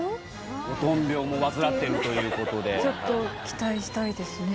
ゴトン病も患ってるということでちょっと期待したいですね